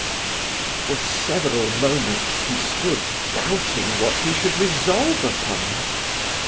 For several moments he stood doubting what he should resolve upon.